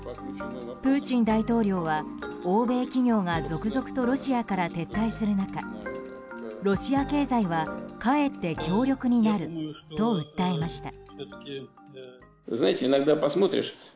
プーチン大統領は欧米企業が続々とロシアから撤退する中ロシア経済はかえって強力になると訴えました。